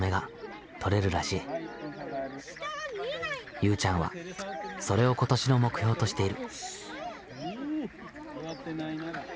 ゆうちゃんはそれを今年の目標としている。